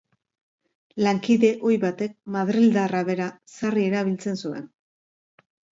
Lankide ohi batek, madrildarra bera, sarri erabiltzen zuen.